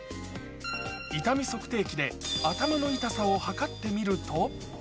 痛み測定器で頭の痛さを測ってみると。